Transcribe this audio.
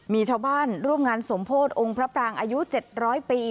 มีชาวบ้านร่วมงานสมโพธิ์องค์พระปรางอายุ๗๐๐ปี